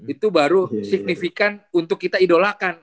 itu baru signifikan untuk kita idolakan